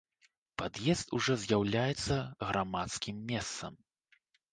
Пад'езд ужо з'яўляецца грамадскім месцам.